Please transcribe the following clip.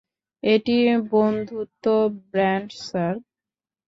এটি বন্ধুত্ব band sir.